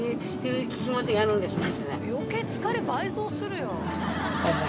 余計疲れ倍増するよ。